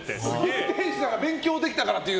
運転手さんが勉強できたからっていう。